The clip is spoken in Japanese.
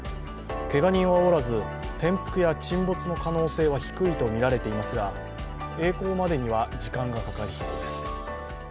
けが人はおらず、転覆や沈没の可能性は低いとみられていますが、えい航までには時間がかかりそうです。